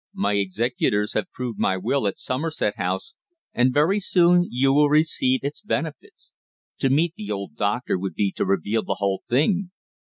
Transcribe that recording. My executors have proved my will at Somerset House, and very soon you will receive its benefits. To meet the old doctor would be to reveal the whole thing."